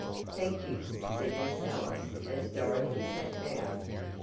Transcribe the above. "Thank you," said Miss Ellis as Dorothy sat down.